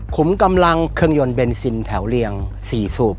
มกำลังเครื่องยนต์เบนซินแถวเรียง๔สูบ